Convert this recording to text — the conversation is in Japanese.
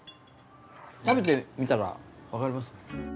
食べてみたらわかりますよ。